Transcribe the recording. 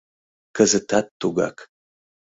Кызытат тугак...